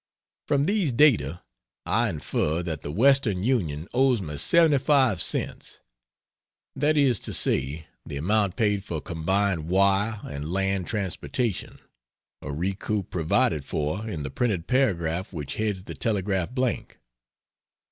From these data I infer that the Western Union owes me 75 cents; that is to say, the amount paid for combined wire and land transportation a recoup provided for in the printed paragraph which heads the telegraph blank.